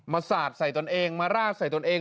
สาดใส่ตนเองมาราดใส่ตนเอง